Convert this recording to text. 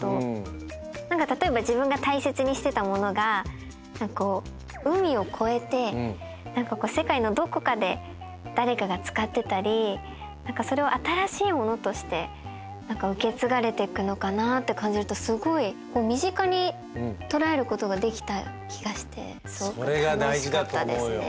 何か例えば自分が大切にしてたものが海を越えて何かこう世界のどこかで誰かが使ってたりそれを新しいものとして受け継がれてくのかなって感じるとすごい身近に捉えることができた気がしてすごく楽しかったですね。